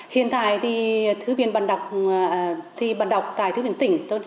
hiện tại thì thư viện bạn đọc tại thư viện tỉnh